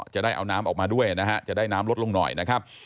จะได้เอาน้ำออกมาด้วยนะฮะจะได้น้ำลดลงหน่อยนะครับ